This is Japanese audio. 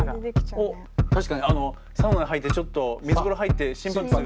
確かにサウナ入ってちょっと水風呂入って心拍数が。